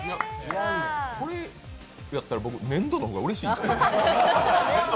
これやったら、僕、粘土の方がうれしい。